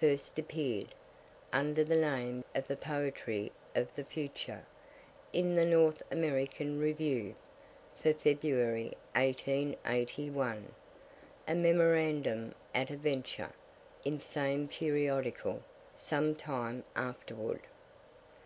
first appear'd (under the name of "The Poetry of the Future,") in "The North American Review" for February, 1881. A Memorandum at a Venture, in same periodical, some time afterward.